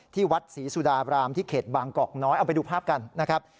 ที่วัดศรีสุดาบรามที่เขตบางกอกน้อยเอาไปดูภาพกันนะครับ